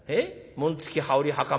紋付き羽織袴？